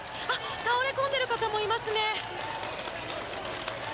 倒れ込んでいる方もいますね。